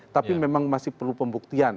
tapi memang masih perlu pembuktian